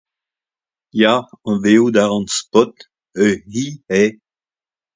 Ya, anavezout a ran Spot, ur c'hi eo.